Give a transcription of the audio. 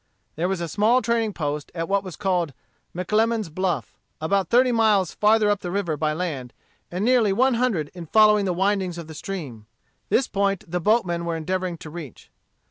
There was a small trading post at what was called McLemone's Bluff; about thirty miles farther up the river by land, and nearly one hundred in following the windings of the stream. This point the boatmen were endeavoring to reach.